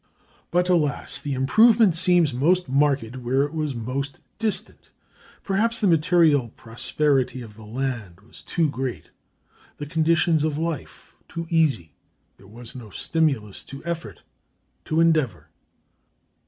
But, alas! the improvement seems most marked where it was most distant. Perhaps the material prosperity of the land was too great, the conditions of life too easy; there was no stimulus to effort, to endeavor.